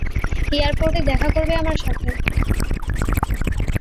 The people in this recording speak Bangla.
এয়ারপোর্টে দেখা করবে আমার সাথে।